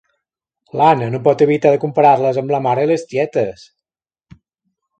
L'Anna no pot evitar de comparar-les amb la mare i les tietes.